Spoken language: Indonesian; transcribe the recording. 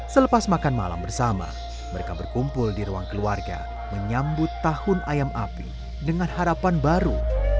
selepas makan malam bersama mereka berkumpul di ruang keluarga menyambut tahun ayam api dengan harapan baru